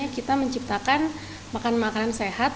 kita menciptakan makanan makanan sehat